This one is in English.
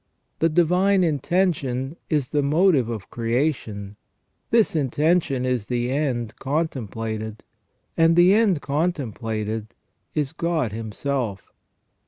The divine intention is the motive of creation, this intention is the end contemplated, and the end contemplated is God Himself.